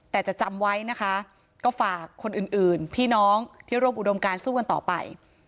แต่จะจำไว้นะคะก็ฝากคนอื่นอื่นพี่น้องที่ร่วมอุดมการสู้กันต่อไป